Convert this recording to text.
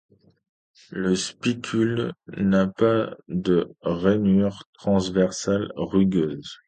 Le spicule n'a pas de rainures transversales rugueuses.